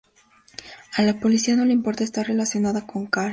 A la policía no le importa estar relacionada con Cal.